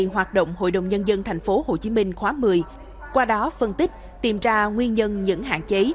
hội đồng nhân dân thành phố hồ chí minh khóa một mươi qua đó phân tích tìm ra nguyên nhân những hạn chế